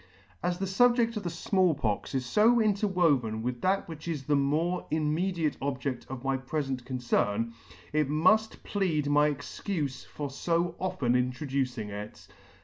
As the fubjedt of the Small Pox is fo interwoven with that which is the more immediate object of my prefent concern, it muff plead my excufe for fo often introducing it.